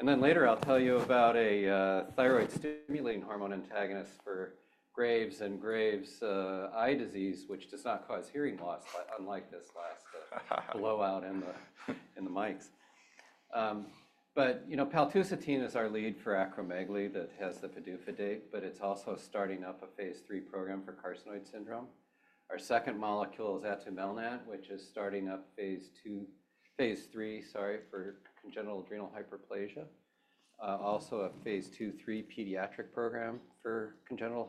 And then later I'll tell you about a thyroid-stimulating hormone antagonist for Graves and Graves' eye disease, which does not cause hearing loss, unlike this last blowout in the mics. But, you know, paltusotine is our lead for acromegaly that has the PDUFA date, but it's also starting up a phase III program for carcinoid syndrome. Our second molecule is atumelnant, which is starting up phase II, phase III, sorry, for congenital adrenal hyperplasia. Also, a phase II, III pediatric program for congenital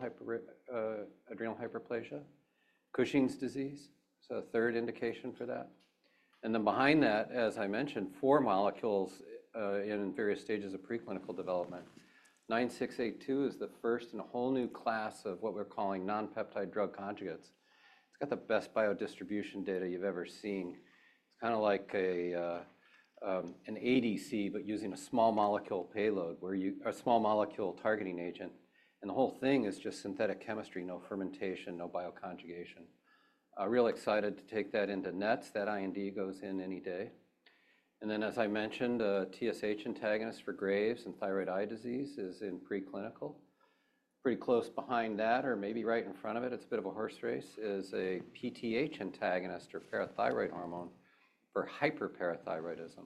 adrenal hyperplasia. Cushing's disease, so a third indication for that. And then behind that, as I mentioned, four molecules in various stages of preclinical development. 9682 is the first in a whole new class of what we're calling non-peptide drug conjugates. It's got the best biodistribution data you've ever seen. It's kind of like an ADC, but using a small molecule payload, a small molecule targeting agent. And the whole thing is just synthetic chemistry, no fermentation, no bioconjugation. Really excited to take that into NETs. That IND goes in any day. And then, as I mentioned, a TSH antagonist for Graves' and thyroid eye disease is in preclinical. Pretty close behind that, or maybe right in front of it, it's a bit of a horse race, is a PTH antagonist or parathyroid hormone for hyperparathyroidism.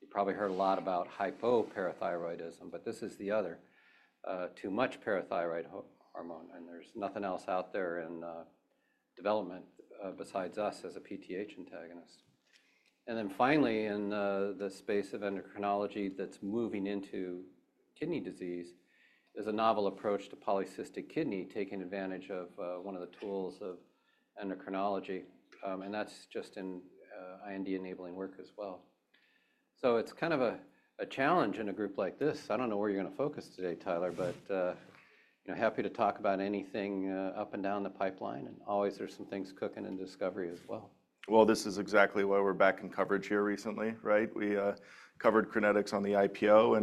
You probably heard a lot about hypoparathyroidism, but this is the other. Too much parathyroid hormone, and there's nothing else out there in development besides us as a PTH antagonist. And then finally, in the space of endocrinology that's moving into kidney disease, there's a novel approach to polycystic kidney taking advantage of one of the tools of endocrinology. And that's just in IND-enabling work as well. So it's kind of a challenge in a group like this. I don't know where you're going to focus today, Tyler, but happy to talk about anything up and down the pipeline, and always there's some things cooking in discovery as well. This is exactly why we're back in coverage here recently, right? We covered Crinetics on the IPO,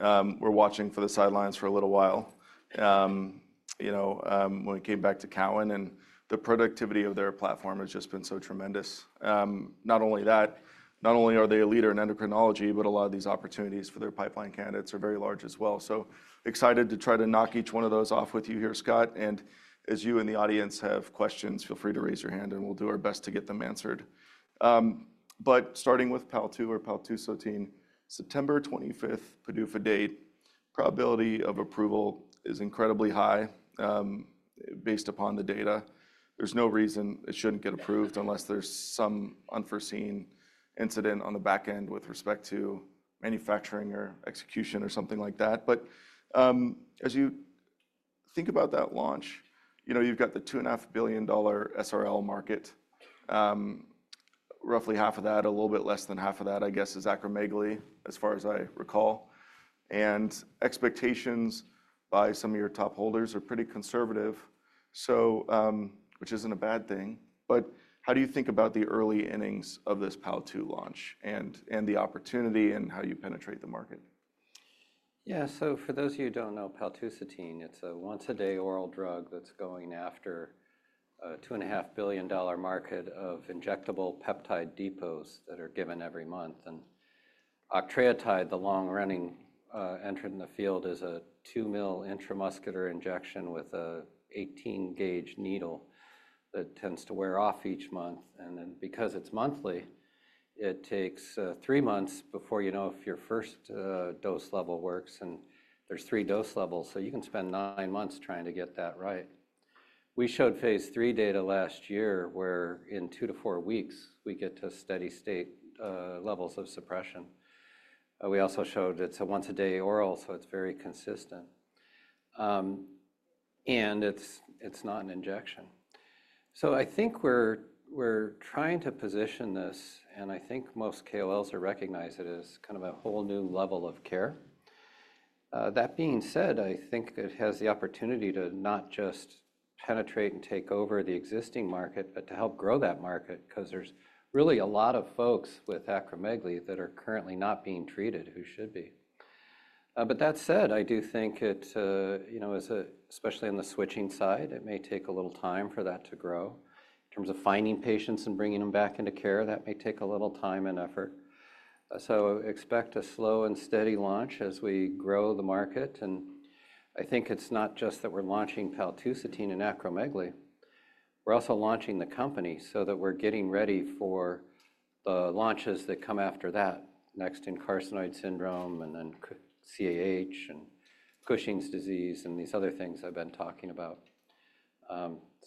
and we're watching from the sidelines for a little while. You know, when we came back to Cowen, and the productivity of their platform has just been so tremendous. Not only that, not only are they a leader in endocrinology, but a lot of these opportunities for their pipeline candidates are very large as well. Excited to try to knock each one of those off with you here, Scott. And as you in the audience have questions, feel free to raise your hand, and we'll do our best to get them answered. Starting with paltusotine, September 25th PDUFA date, probability of approval is incredibly high based upon the data. There's no reason it shouldn't get approved unless there's some unforeseen incident on the back end with respect to manufacturing or execution or something like that. But as you think about that launch, you know, you've got the $2.5 billion SRL market. Roughly half of that, a little bit less than half of that, I guess, is acromegaly, as far as I recall. And expectations by some of your top holders are pretty conservative, which isn't a bad thing. But how do you think about the early innings of this paltu launch and the opportunity and how you penetrate the market? Yeah, so for those of you who don't know, paltusotine, it's a once-a-day oral drug that's going after a $2.5 billion market of injectable peptide depots that are given every month. And octreotide, the long-running entrant in the field, is a 2 mL intramuscular injection with an 18-gauge needle that tends to wear off each month. And then because it's monthly, it takes three months before you know if your first dose level works. And there's three dose levels, so you can spend nine months trying to get that right. We showed phase III data last year where in two to four weeks, we get to steady-state levels of suppression. We also showed it's a once-a-day oral, so it's very consistent. And it's not an injection. So I think we're trying to position this, and I think most KOLs recognize it as kind of a whole new level of care. That being said, I think it has the opportunity to not just penetrate and take over the existing market, but to help grow that market, because there's really a lot of folks with acromegaly that are currently not being treated who should be, but that said, I do think it, you know, especially on the switching side, it may take a little time for that to grow. In terms of finding patients and bringing them back into care, that may take a little time and effort, so expect a slow and steady launch as we grow the market, and I think it's not just that we're launching paltusotine in acromegaly. We're also launching the company so that we're getting ready for the launches that come after that, next in carcinoid syndrome and then CAH and Cushing's disease and these other things I've been talking about.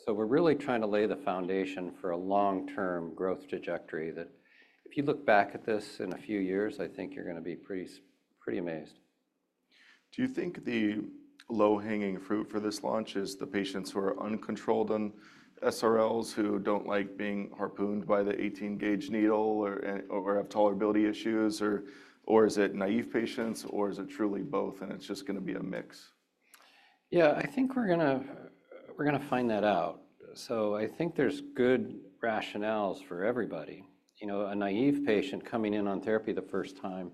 So, we're really trying to lay the foundation for a long-term growth trajectory that, if you look back at this in a few years, I think you're going to be pretty amazed. Do you think the low-hanging fruit for this launch is the patients who are uncontrolled on SRLs, who don't like being harpooned by the 18-gauge needle or have tolerability issues? Or is it naive patients, or is it truly both, and it's just going to be a mix? Yeah, I think we're going to find that out. So I think there's good rationales for everybody. You know, a naive patient coming in on therapy the first time,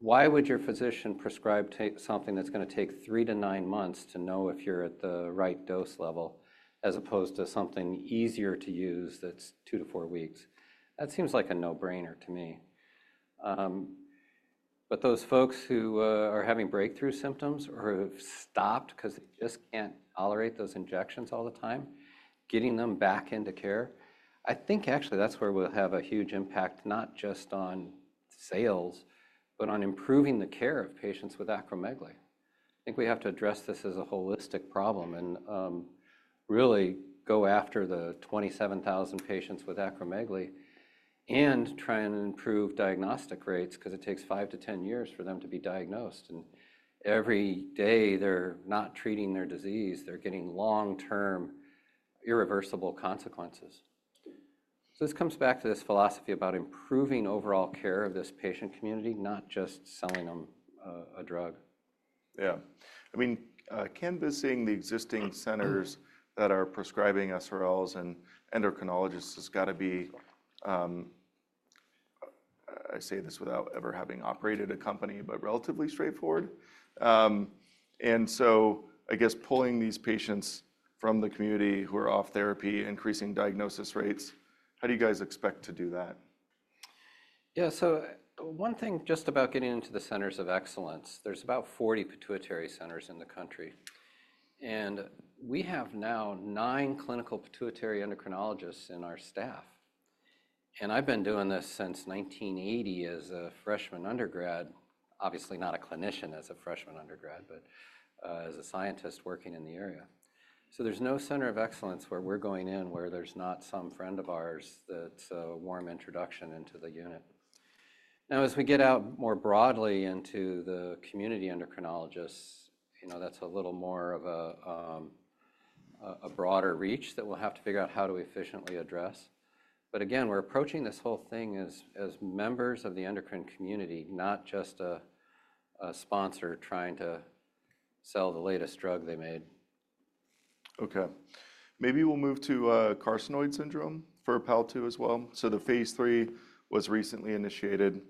why would your physician prescribe something that's going to take three-nine months to know if you're at the right dose level, as opposed to something easier to use that's two-four weeks? That seems like a no-brainer to me. But those folks who are having breakthrough symptoms or have stopped because they just can't tolerate those injections all the time, getting them back into care, I think actually that's where we'll have a huge impact, not just on sales, but on improving the care of patients with acromegaly. I think we have to address this as a holistic problem and really go after the 27,000 patients with acromegaly and try and improve diagnostic rates, because it takes five to 10 years for them to be diagnosed. And every day they're not treating their disease, they're getting long-term irreversible consequences. So this comes back to this philosophy about improving overall care of this patient community, not just selling them a drug. Yeah. I mean, canvassing the existing centers that are prescribing SRLs and endocrinologists has got to be, I say this without ever having operated a company, but relatively straightforward. And so I guess pulling these patients from the community who are off therapy, increasing diagnosis rates, how do you guys expect to do that? Yeah, so one thing just about getting into the centers of excellence, there's about 40 pituitary centers in the country, and we have now nine clinical pituitary endocrinologists in our staff. And I've been doing this since 1980 as a freshman undergrad, obviously not a clinician as a freshman undergrad, but as a scientist working in the area, so there's no center of excellence where we're going in where there's not some friend of ours that's a warm introduction into the unit. Now, as we get out more broadly into the community endocrinologists, you know, that's a little more of a broader reach that we'll have to figure out how do we efficiently address, but again, we're approaching this whole thing as members of the endocrine community, not just a sponsor trying to sell the latest drug they made. Okay. Maybe we'll move to carcinoid syndrome for paltu as well, so the phase III was recently initiated.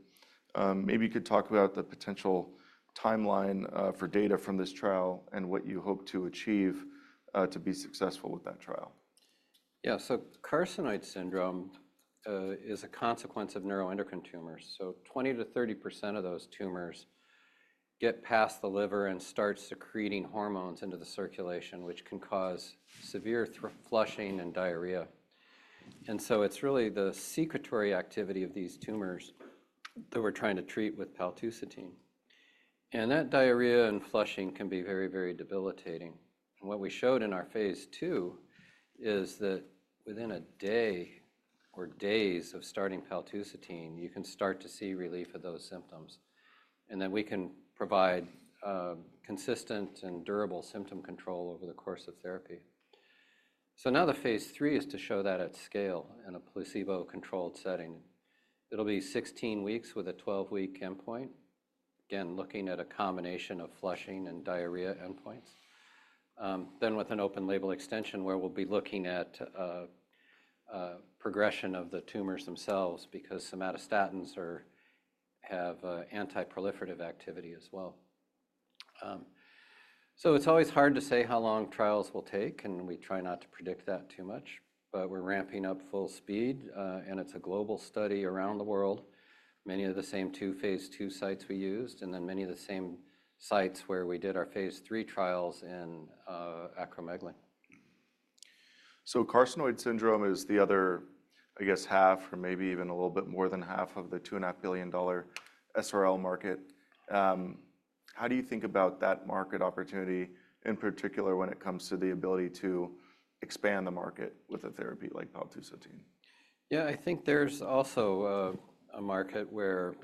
Maybe you could talk about the potential timeline for data from this trial and what you hope to achieve to be successful with that trial. Yeah, so carcinoid syndrome is a consequence of neuroendocrine tumors. So 20%-30% of those tumors get past the liver and start secreting hormones into the circulation, which can cause severe flushing and diarrhea. And so it's really the secretory activity of these tumors that we're trying to treat with paltusotine. And that diarrhea and flushing can be very, very debilitating. And what we showed in our phase II is that within a day or days of starting paltusotine, you can start to see relief of those symptoms. And then we can provide consistent and durable symptom control over the course of therapy. So now the phase III is to show that at scale in a placebo-controlled setting. It'll be 16 weeks with a 12-week endpoint, again, looking at a combination of flushing and diarrhea endpoints. Then with an open-label extension where we'll be looking at progression of the tumors themselves because somatostatins have anti-proliferative activity as well. So it's always hard to say how long trials will take, and we try not to predict that too much. But we're ramping up full speed, and it's a global study around the world, many of the same two phase II sites we used, and then many of the same sites where we did our phase III trials in acromegaly. Carcinoid syndrome is the other, I guess, half, or maybe even a little bit more than half of the $2.5 billion SRL market. How do you think about that market opportunity in particular when it comes to the ability to expand the market with a therapy like paltusotine? Yeah, I think there's also a market where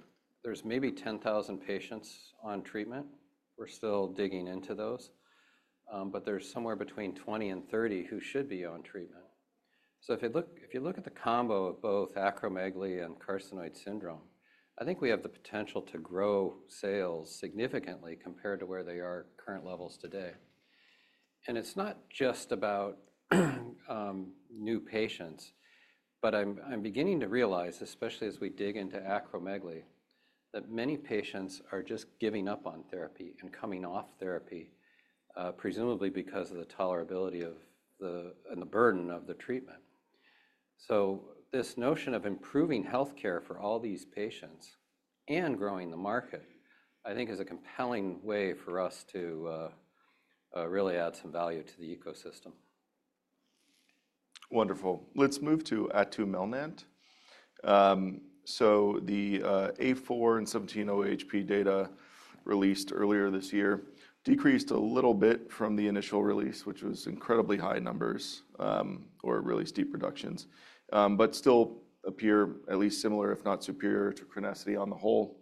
there's maybe 10,000 patients on treatment. We're still digging into those, but there's somewhere between 20 and 30 who should be on treatment, so if you look at the combo of both acromegaly and carcinoid syndrome, I think we have the potential to grow sales significantly compared to where they are at current levels today, and it's not just about new patients, but I'm beginning to realize, especially as we dig into acromegaly, that many patients are just giving up on therapy and coming off therapy, presumably because of the tolerability and the burden of the treatment, so this notion of improving healthcare for all these patients and growing the market, I think is a compelling way for us to really add some value to the ecosystem. Wonderful. Let's move to atumelnant. So the A4 and 17-OHP data released earlier this year decreased a little bit from the initial release, which was incredibly high numbers or really steep reductions, but still appear at least similar, if not superior, to Crinetics on the whole.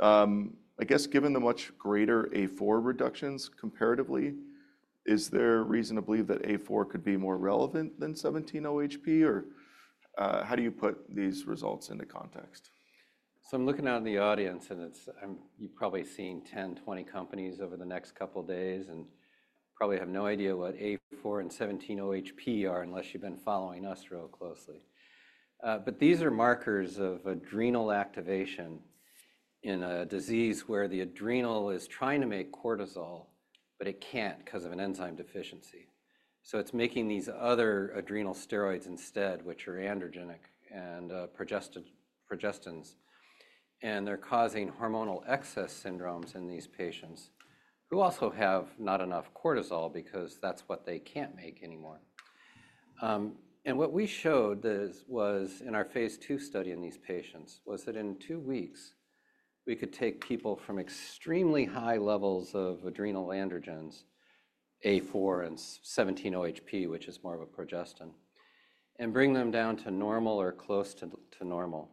I guess given the much greater A4 reductions comparatively, is there reason to believe that A4 could be more relevant than 17-OHP, or how do you put these results into context? I'm looking out in the audience, and you've probably seen 10, 20 companies over the next couple of days and probably have no idea what A4 and 17-OHP are unless you've been following us real closely. But these are markers of adrenal activation in a disease where the adrenal is trying to make cortisol, but it can't because of an enzyme deficiency. So it's making these other adrenal steroids instead, which are androgenic and progestins. And they're causing hormonal excess syndromes in these patients who also have not enough cortisol because that's what they can't make anymore. And what we showed was in our phase II study in these patients was that in two weeks, we could take people from extremely high levels of adrenal androgens, A4 and 17-OHP, which is more of a progestin, and bring them down to normal or close to normal.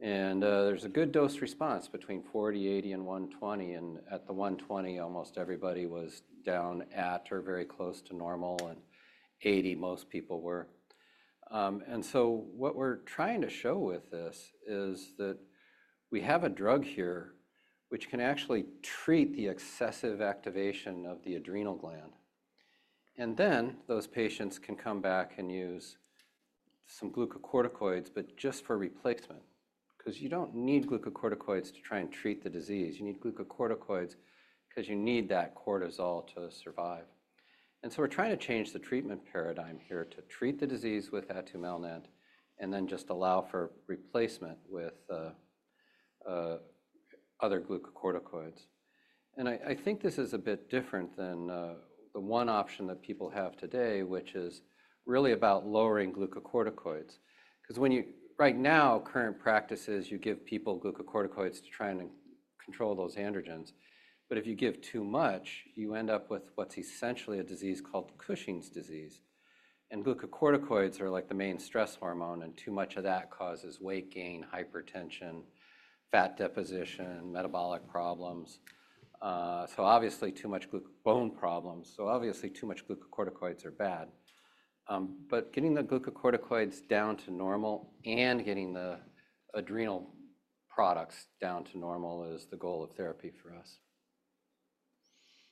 There's a good dose response between 40, 80, and 120. At the 120, almost everybody was down at or very close to normal, and 80, most people were. What we're trying to show with this is that we have a drug here which can actually treat the excessive activation of the adrenal gland. Those patients can come back and use some glucocorticoids, but just for replacement, because you don't need glucocorticoids to try and treat the disease. You need glucocorticoids because you need that cortisol to survive. We're trying to change the treatment paradigm here to treat the disease with atumelnant and then just allow for replacement with other glucocorticoids. This is a bit different than the one option that people have today, which is really about lowering glucocorticoids. Because right now, current practices, you give people glucocorticoids to try and control those androgens. But if you give too much, you end up with what's essentially a disease called Cushing's disease. And glucocorticoids are like the main stress hormone, and too much of that causes weight gain, hypertension, fat deposition, metabolic problems. So obviously, too much bone problems. So obviously, too much glucocorticoids are bad. But getting the glucocorticoids down to normal and getting the adrenal products down to normal is the goal of therapy for us.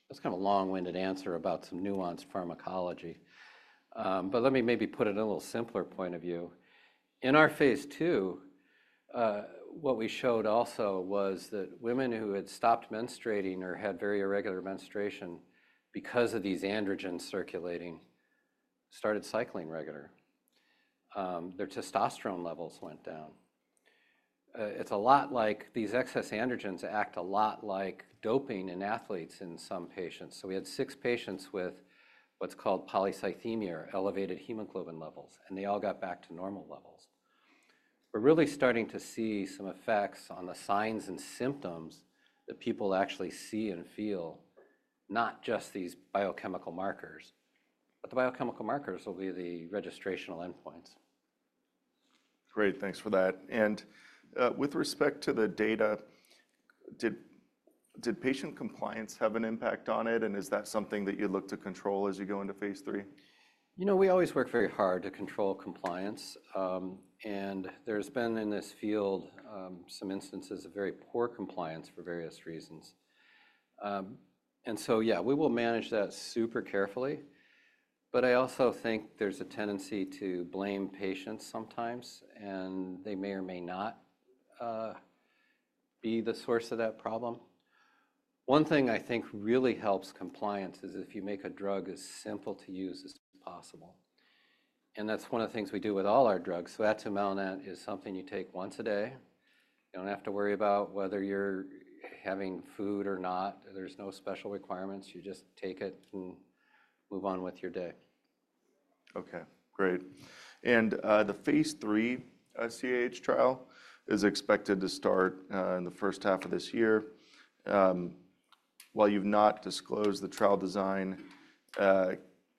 That's kind of a long-winded answer about some nuanced pharmacology. But let me maybe put it in a little simpler point of view. In our phase II, what we showed also was that women who had stopped menstruating or had very irregular menstruation because of these androgens circulating started cycling regular. Their testosterone levels went down. It's a lot like these excess androgens act a lot like doping in athletes in some patients. So we had six patients with what's called polycythemia, elevated hemoglobin levels, and they all got back to normal levels. We're really starting to see some effects on the signs and symptoms that people actually see and feel, not just these biochemical markers. But the biochemical markers will be the registrational endpoints. Great. Thanks for that. And with respect to the data, did patient compliance have an impact on it, and is that something that you look to control as you go into phase III? You know, we always work very hard to control compliance. And there's been in this field some instances of very poor compliance for various reasons. And so, yeah, we will manage that super carefully. But I also think there's a tendency to blame patients sometimes, and they may or may not be the source of that problem. One thing I think really helps compliance is if you make a drug as simple to use as possible. And that's one of the things we do with all our drugs. So atumelnant is something you take once a day. You don't have to worry about whether you're having food or not. There's no special requirements. You just take it and move on with your day. Okay. Great. And the phase III CAH trial is expected to start in the first half of this year. While you've not disclosed the trial design,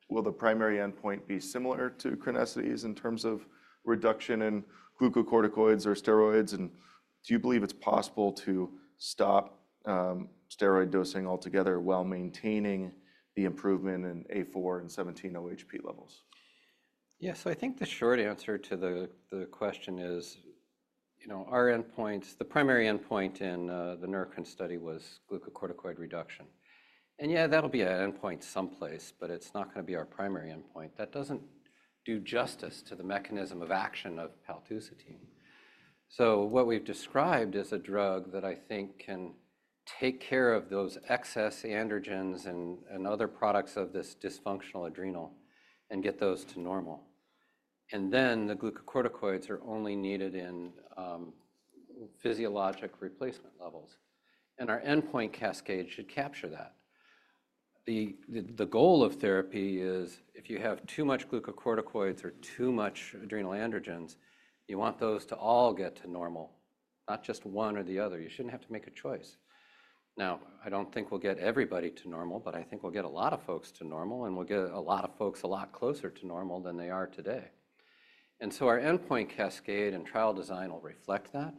will the primary endpoint be similar to Crinetics' in terms of reduction in glucocorticoids or steroids? And do you believe it's possible to stop steroid dosing altogether while maintaining the improvement in A4 and 17-OHP levels? Yeah, so I think the short answer to the question is, you know, our endpoints, the primary endpoint in the Neurocrine study was glucocorticoid reduction. And yeah, that'll be an endpoint someplace, but it's not going to be our primary endpoint. That doesn't do justice to the mechanism of action of paltusotine. So what we've described is a drug that I think can take care of those excess androgens and other products of this dysfunctional adrenal and get those to normal. And then the glucocorticoids are only needed in physiologic replacement levels. And our endpoint cascade should capture that. The goal of therapy is if you have too much glucocorticoids or too much adrenal androgens, you want those to all get to normal, not just one or the other. You shouldn't have to make a choice. Now, I don't think we'll get everybody to normal, but I think we'll get a lot of folks to normal, and we'll get a lot of folks a lot closer to normal than they are today, and so our endpoint cascade and trial design will reflect that.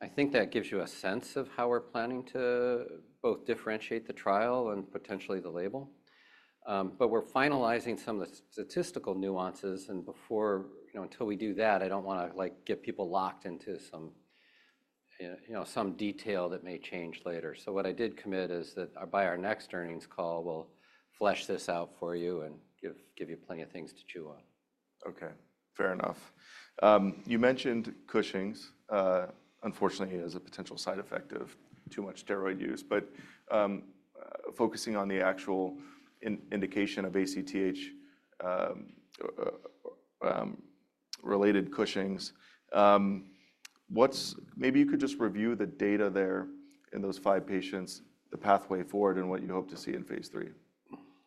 I think that gives you a sense of how we're planning to both differentiate the trial and potentially the label, but we're finalizing some of the statistical nuances, and until we do that, I don't want to get people locked into some detail that may change later, so what I did commit is that by our next earnings call, we'll flesh this out for you and give you plenty of things to chew on. Okay. Fair enough. You mentioned Cushing's, unfortunately, as a potential side effect of too much steroid use. But focusing on the actual indication of ACTH-related Cushing's, maybe you could just review the data there in those five patients, the pathway forward, and what you hope to see in phase III?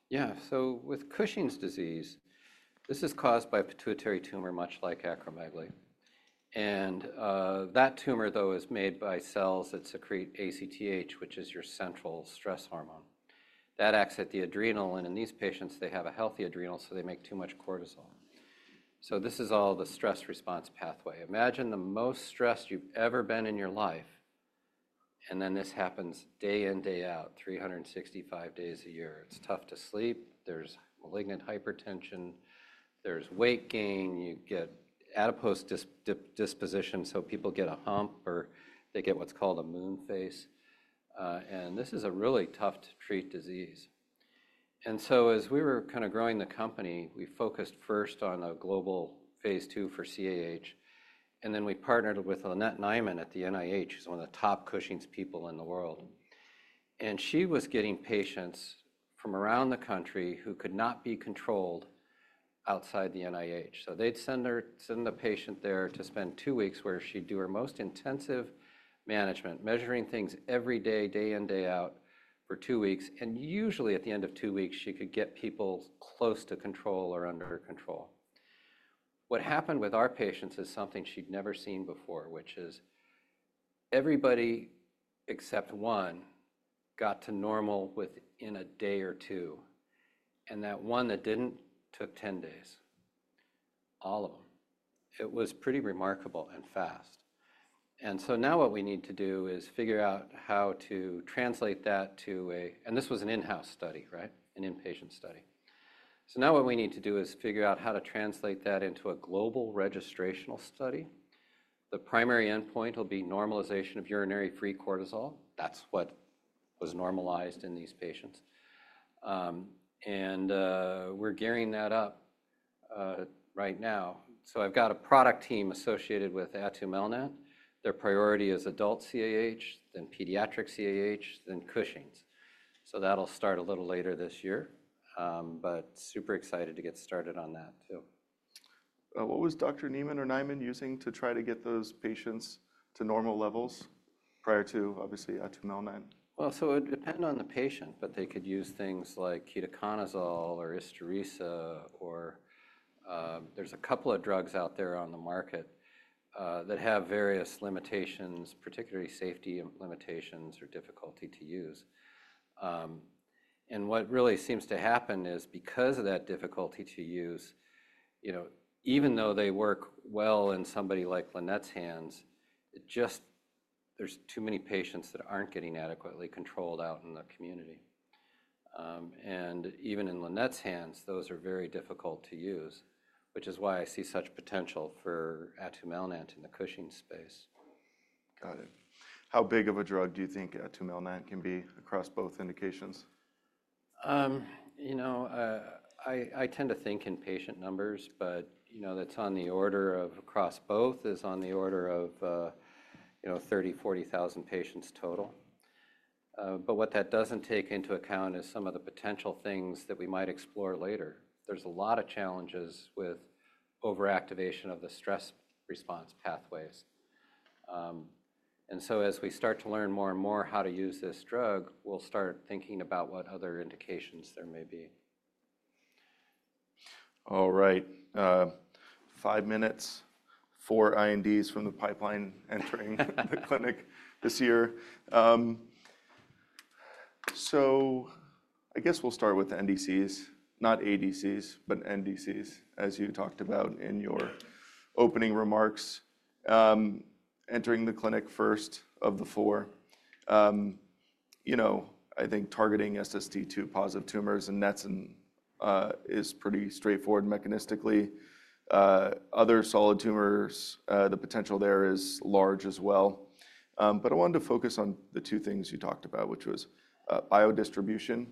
Yeah. So with Cushing's disease, this is caused by a pituitary tumor much like acromegaly. And that tumor, though, is made by cells that secrete ACTH, which is your central stress hormone. That acts at the adrenal. In these patients, they have a healthy adrenal, so they make too much cortisol. This is all the stress response pathway. Imagine the most stressed you've ever been in your life, and then this happens day in, day out, 365 days a year. It's tough to sleep. There's malignant hypertension. There's weight gain. You get adipose deposition, so people get a hump or they get what's called a moon face. This is a really tough-to-treat disease. As we were kind of growing the company, we focused first on a global phase II for CAH. Then we partnered with Lynnette Nieman at the NIH. She's one of the top Cushing's people in the world. And she was getting patients from around the country who could not be controlled outside the NIH. So they'd send the patient there to spend two weeks where she'd do her most intensive management, measuring things every day, day in, day out for two weeks. And usually, at the end of two weeks, she could get people close to control or under control. What happened with our patients is something she'd never seen before, which is everybody except one got to normal within a day or two. And that one that didn't took 10 days, all of them. It was pretty remarkable and fast. And so now what we need to do is figure out how to translate that and this was an in-house study, right? An inpatient study. So now what we need to do is figure out how to translate that into a global registrational study. The primary endpoint will be normalization of urinary free cortisol. That's what was normalized in these patients. And we're gearing that up right now. So I've got a product team associated with atumelnant. Their priority is adult CAH, then pediatric CAH, then Cushing's. So that'll start a little later this year. But super excited to get started on that too. What was Dr. Nieman or Nieman using to try to get those patients to normal levels prior to, obviously, atumelnant? It would depend on the patient, but they could use things like ketoconazole or Isturisa. There's a couple of drugs out there on the market that have various limitations, particularly safety limitations or difficulty to use. What really seems to happen is because of that difficulty to use, even though they work well in somebody like Lynnette's hands, there's too many patients that aren't getting adequately controlled out in the community. Even in Lynnette's hands, those are very difficult to use, which is why I see such potential for atumelnant in the Cushing's space. Got it. How big of a drug do you think atumelnant can be across both indications? You know, I tend to think in patient numbers, but that's on the order of across both is on the order of 30,000, 40,000 patients total. But what that doesn't take into account is some of the potential things that we might explore later. There's a lot of challenges with overactivation of the stress response pathways. And so as we start to learn more and more how to use this drug, we'll start thinking about what other indications there may be. All right. Five minutes, four INDs from the pipeline entering the clinic this year. So I guess we'll start with NDCs, not ADCs, but NDCs, as you talked about in your opening remarks, entering the clinic first of the four. You know, I think targeting SST2 positive tumors and NETs is pretty straightforward mechanistically. Other solid tumors, the potential there is large as well. But I wanted to focus on the two things you talked about, which was biodistribution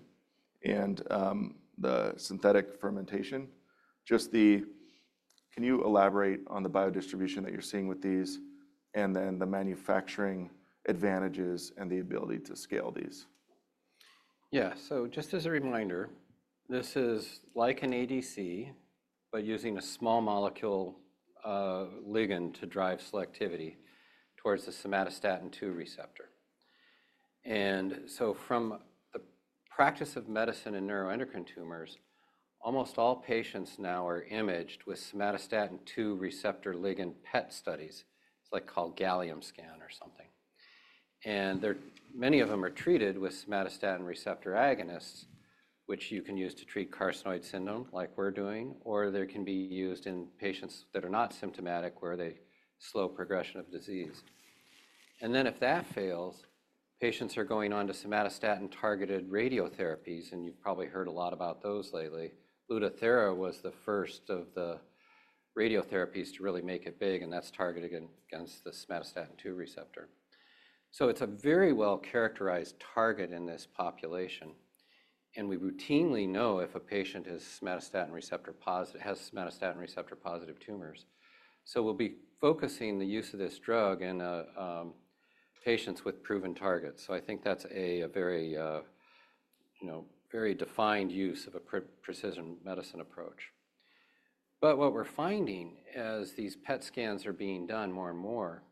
and the synthetic fermentation. Just the. Can you elaborate on the biodistribution that you're seeing with these and then the manufacturing advantages and the ability to scale these? Yeah. So just as a reminder, this is like an ADC, but using a small molecule ligand to drive selectivity towards the somatostatin 2 receptor. And so from the practice of medicine in neuroendocrine tumors, almost all patients now are imaged with somatostatin 2 receptor ligand PET studies. It's like called gallium scan or something. And many of them are treated with somatostatin receptor agonists, which you can use to treat carcinoid syndrome like we're doing, or they can be used in patients that are not symptomatic where they slow progression of disease. And then if that fails, patients are going on to somatostatin-targeted radiotherapies, and you've probably heard a lot about those lately. Lutathera was the first of the radiotherapies to really make it big, and that's targeted against the somatostatin 2 receptor. So it's a very well-characterized target in this population. We routinely know if a patient has somatostatin-positive tumors. So we'll be focusing the use of this drug in patients with proven targets. So I think that's a very defined use of a precision medicine approach. But what we're finding as these PET scans are being done more and more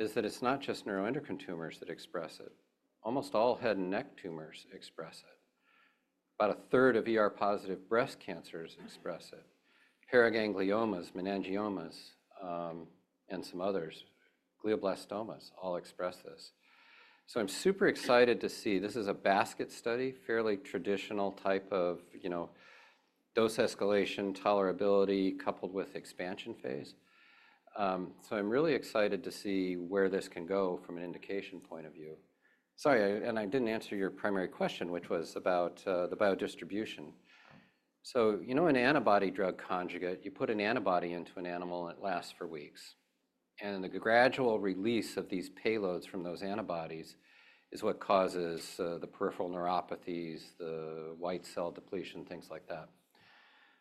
is that it's not just neuroendocrine tumors that express it. Almost all head and neck tumors express it. About a third of ER-positive breast cancers express it. Paragangliomas, meningiomas, and some others, glioblastomas, all express this. So I'm super excited to see. This is a basket study, fairly traditional type of dose escalation, tolerability, coupled with expansion phase. So I'm really excited to see where this can go from an indication point of view. Sorry, and I didn't answer your primary question, which was about the biodistribution. You know an antibody-drug conjugate. You put an antibody into an animal, and it lasts for weeks. And the gradual release of these payloads from those antibodies is what causes the peripheral neuropathies, the white cell depletion, things like that.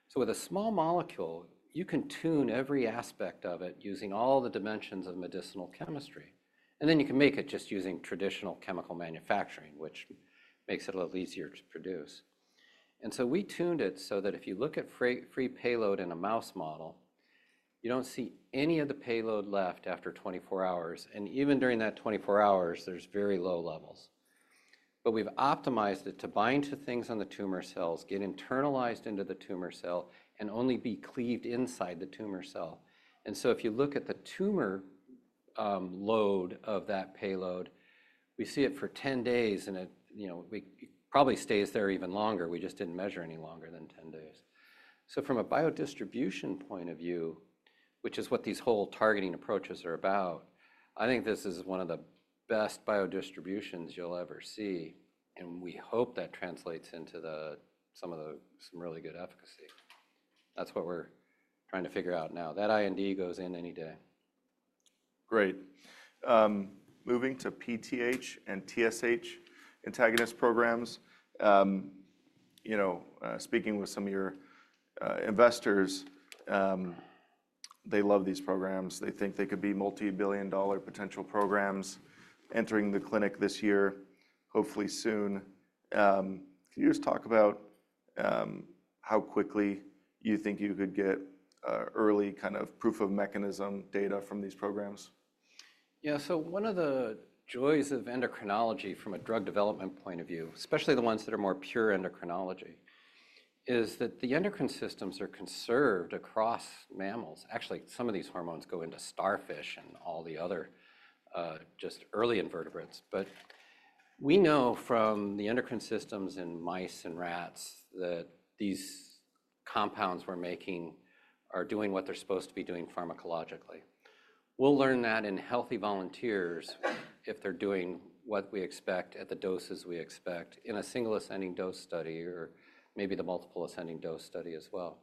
So with a small molecule, you can tune every aspect of it using all the dimensions of medicinal chemistry. And then you can make it just using traditional chemical manufacturing, which makes it a little easier to produce. And so we tuned it so that if you look at free payload in a mouse model, you don't see any of the payload left after 24 hours. And even during that 24 hours, there's very low levels. But we've optimized it to bind to things on the tumor cells, get internalized into the tumor cell, and only be cleaved inside the tumor cell. And so if you look at the tumor load of that payload, we see it for 10 days, and it probably stays there even longer. We just didn't measure any longer than 10 days. So from a biodistribution point of view, which is what these whole targeting approaches are about, I think this is one of the best biodistributions you'll ever see. And we hope that translates into some of the really good efficacy. That's what we're trying to figure out now. That IND goes in any day. Great. Moving to PTH and TSH antagonist programs. Speaking with some of your investors, they love these programs. They think they could be multi-billion-dollar potential programs entering the clinic this year, hopefully soon. Can you just talk about how quickly you think you could get early kind of proof of mechanism data from these programs? Yeah. So one of the joys of endocrinology from a drug development point of view, especially the ones that are more pure endocrinology, is that the endocrine systems are conserved across mammals. Actually, some of these hormones go into starfish and all the other just early invertebrates. But we know from the endocrine systems in mice and rats that these compounds we're making are doing what they're supposed to be doing pharmacologically. We'll learn that in healthy volunteers if they're doing what we expect at the doses we expect in a single ascending dose study or maybe the multiple ascending dose study as well.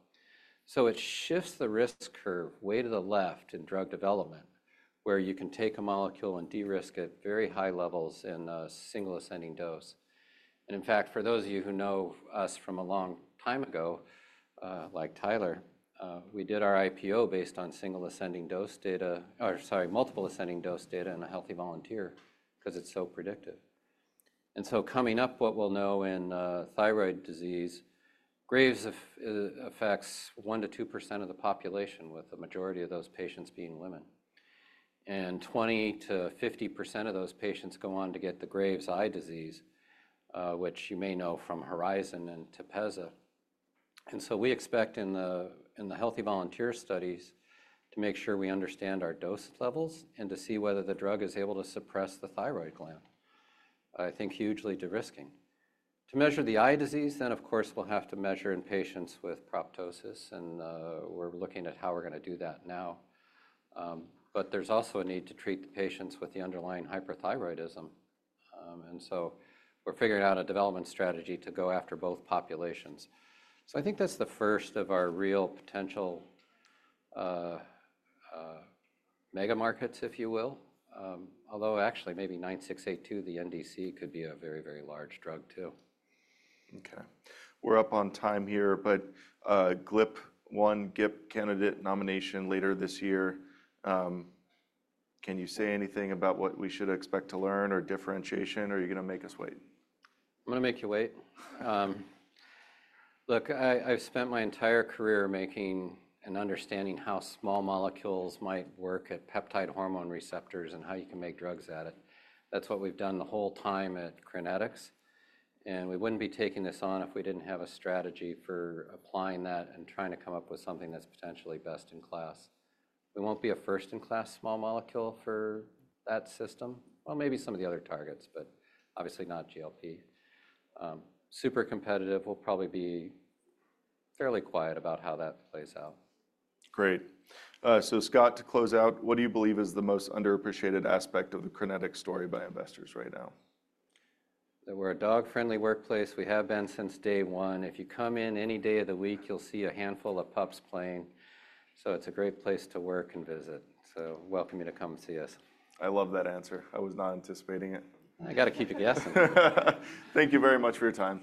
So it shifts the risk curve way to the left in drug development, where you can take a molecule and de-risk it at very high levels in a single ascending dose. In fact, for those of you who know us from a long time ago, like Tyler, we did our IPO based on single ascending dose data or sorry, multiple ascending dose data in a healthy volunteer because it's so predictive. And so coming up, what we'll know in thyroid disease, Graves affects 1%-2% of the population, with the majority of those patients being women. And 20%-50% of those patients go on to get the Graves' eye disease, which you may know from Horizon and TEPEZZA. And so we expect in the healthy volunteer studies to make sure we understand our dose levels and to see whether the drug is able to suppress the thyroid gland, I think hugely de-risking. To measure the eye disease, then of course, we'll have to measure in patients with proptosis. And we're looking at how we're going to do that now. But there's also a need to treat the patients with the underlying hyperthyroidism. And so we're figuring out a development strategy to go after both populations. So I think that's the first of our real potential mega markets, if you will, although actually maybe 9682, the NDC, could be a very, very large drug too. Okay. We're up on time here, but GLP-1, GIP candidate nomination later this year. Can you say anything about what we should expect to learn or differentiation, or are you going to make us wait? I'm going to make you wait. Look, I've spent my entire career making and understanding how small molecules might work at peptide hormone receptors and how you can make drugs at it. That's what we've done the whole time at Crinetics. We wouldn't be taking this on if we didn't have a strategy for applying that and trying to come up with something that's potentially best in class. We won't be a first-in-class small molecule for that system. Maybe some of the other targets, but obviously not GLP. Super competitive. We'll probably be fairly quiet about how that plays out. Great. So Scott, to close out, what do you believe is the most underappreciated aspect of the Crinetics story by investors right now? That we're a dog-friendly workplace. We have been since day one. If you come in any day of the week, you'll see a handful of pups playing. So it's a great place to work and visit. So welcome you to come see us. I love that answer. I was not anticipating it. I got to keep you guessing. Thank you very much for your time.